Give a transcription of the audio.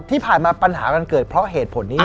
ที่ผ่านมาปัญหามันเกิดเพราะเหตุผลนี้